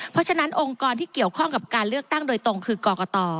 เพราะฉะนั้นองค์กรที่เกี่ยวข้องกับการเลือกตั้งโดยตรงคือกรกต